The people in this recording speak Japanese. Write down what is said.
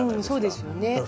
そうですね。